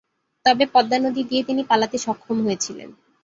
তবে পদ্মা নদী দিয়ে তিনি পালাতে সক্ষম হয়েছিলেন।